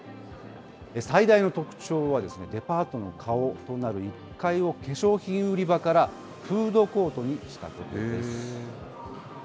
最大の特徴は、デパートの顔となる１階を化粧品売り場から、フードコートにしたことです。